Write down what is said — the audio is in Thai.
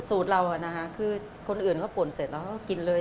สูตรเราคือคนอื่นก็ปนเสร็จแล้วกินเลย